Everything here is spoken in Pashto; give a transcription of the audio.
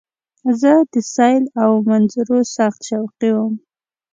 زه د سیل او منظرو سخت شوقی وم.